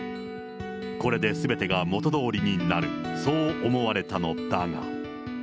これですべてが元通りになる、そう思われたのだが。